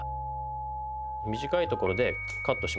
短い所でカットします。